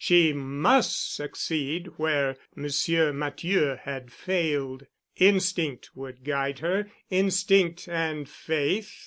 She must succeed where Monsieur Matthieu had failed. Instinct would guide her, instinct and faith.